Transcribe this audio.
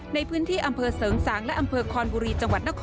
ในพื้นที่อำเภอเสริงสางและอำเภอคอนบุรี